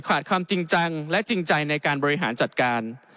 ขาดความจริงจังและจริงใจในการบริหารจัดการ